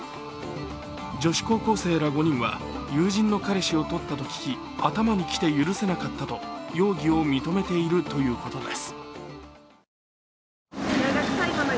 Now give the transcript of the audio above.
女子高校生ら５人は友人の彼氏を取ったと聞き頭に来て許せなかったと容疑を認めているということです。